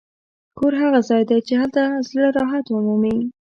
کور هغه ځای دی چې هلته زړه راحت مومي.